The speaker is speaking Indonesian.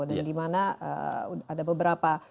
dan dimana ada beberapa